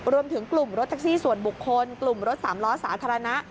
รวมถึงกลุ่มรถแท็กซี่ส่วนบุคคลกลุ่มรถสามล้อสาธารณะ